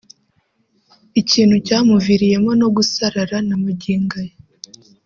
ikintu cyamuviriyemo no gusarara na magingo aya